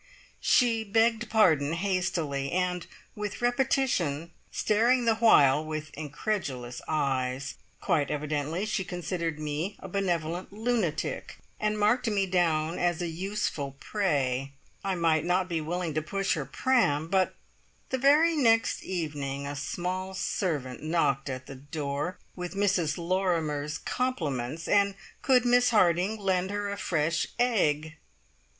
She "begged pardon" hastily, and with repetition, staring the while with incredulous eyes. Quite evidently she considered me a benevolent lunatic, and marked me down as a useful prey. I might not be willing to push her pram, but The very next evening a small servant knocked at the door with Mrs Lorrimer's compliments, and could Miss Harding lend her a fresh egg?